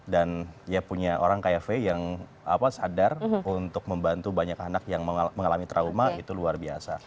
dan ya punya orang kayak fai yang sadar untuk membantu banyak anak yang mengalami trauma itu luar biasa